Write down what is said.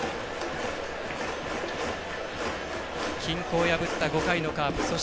均衡破った、５回のカープ。